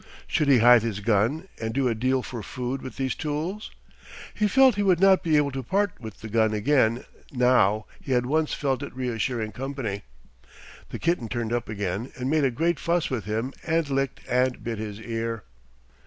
Should he hide his gun and do a deal for food with these tools? He felt he would not be able to part with the gun again now he had once felt its reassuring company. The kitten turned up again and made a great fuss with him and licked and bit his ear.